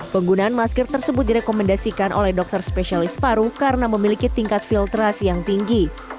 penggunaan masker tersebut direkomendasikan oleh dokter spesialis paru karena memiliki tingkat filtrasi yang tinggi